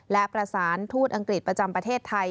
และประสานทูตอังกฤษประจำประเทศไทย